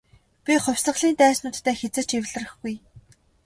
Би хувьсгалын дайснуудтай хэзээ ч эвлэрэхгүй.